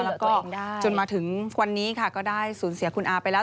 แล้วก็จนมาถึงวันนี้ค่ะก็ได้สูญเสียคุณอาไปแล้ว